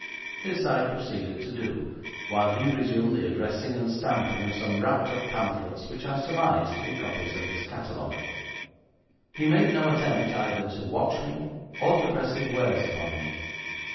This I proceeded to do, while he resumed the addressing and stamping of some wrapped up pamphlets which I surmised to be copies of his catalogue. He made no attempt either to watch me or to press his wares upon me.